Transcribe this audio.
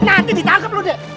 nanti ditangkap loh deh